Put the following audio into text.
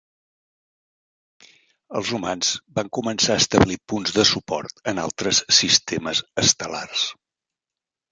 Els humans van començar a establir punts de suport en altres sistemes estel·lars.